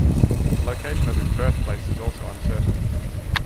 The location of his birthplace is also uncertain.